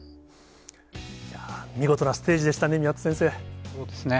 見事なステージでしたね、そうですね。